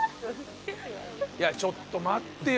ちょっと待ってよ